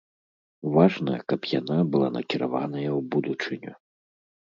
Важна, каб яна была накіраваная ў будучыню.